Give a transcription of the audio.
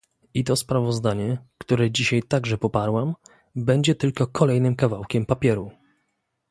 I to sprawozdanie, które dzisiaj także poparłam, będzie tylko kolejnym kawałkiem papieru